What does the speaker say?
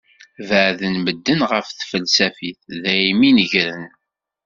Beɛden medden ɣef tfelsafit daymi i nnegran.